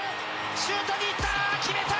シュートにいった！